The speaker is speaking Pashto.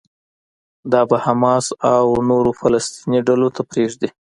دا به حماس او نورو فلسطيني ډلو ته پرېږدي.